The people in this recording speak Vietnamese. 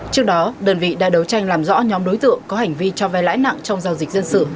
trước đó đơn vị đã đấu tranh làm rõ nhóm đối tượng có hành vi cho vai lãi nặng trong giao dịch dân sự